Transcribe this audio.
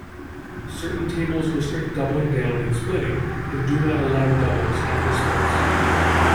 Certain tables restrict doubling down and splitting, and do not allow doubles after splits.